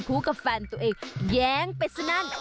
กับแฟนตัวเองแย้งไปสนั่น